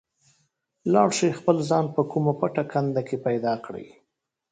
لاړ شئ خپل ځان په کومه پټه کنده کې پیدا کړئ.